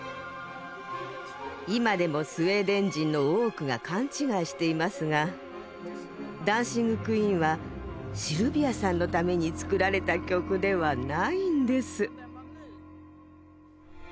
今でもスウェーデン人の多くが勘違いしていますが「ダンシング・クイーン」はシルビアさんのために作られた曲ではないんです。